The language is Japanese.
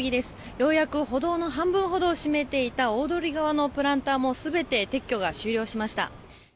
ようやく歩道の半分ほどを占めていた大通り側のプランターも全て撤去が終了しました。